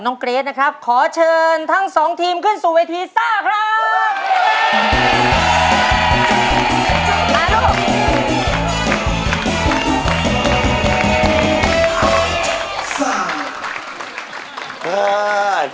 ต้องกินเรื่อยครับ